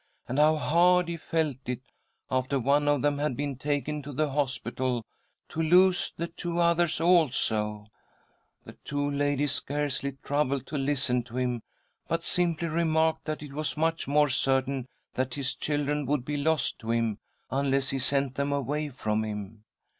and how hard he felt it, after one of them had been taken [to the hospital, to lose the two others also. *: SISTER EDITH PLEADS WITH DEATH " The two ladies scarcely troubled to listen to him, but simply remarked that it was much more certain that his children would be lost to him, unless he sent them away from him.